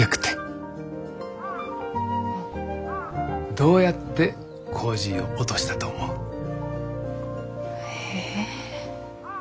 どうやってコージーを落としたと思う？え。